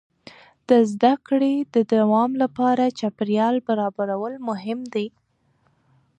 د زده کړې د دوام لپاره چاپېریال برابرول مهم دي.